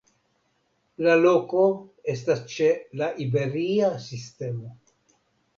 La loko estas ĉe la Iberia Sistemo.